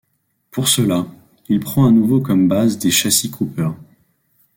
Pour cela, il prend à nouveau comme base des châssis Cooper.